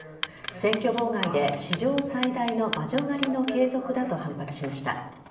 選挙妨害で史上最大の魔女狩りの継続だと反発しました。